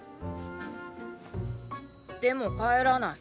でも帰らない。